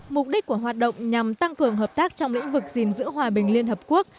mục đích của hoạt động nhằm tăng cường hợp tác trong lĩnh vực gìn giữ hòa bình liên hợp quốc